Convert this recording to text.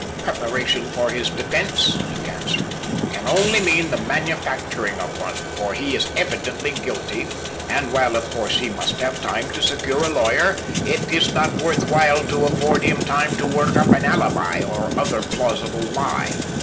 "Preparation for his defence," he answered, "can only mean the manufacturing of one, for he is evidently guilty: and while of course he must have time to secure a lawyer, it is not worth while to afford him time to work up an alibi or other plausible lie.